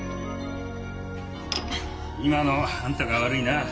今のはあんたが悪いな。